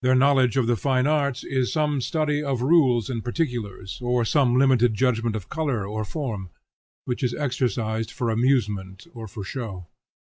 Their knowledge of the fine arts is some study of rules and particulars, or some limited judgment of color or form, which is exercised for amusement or for show.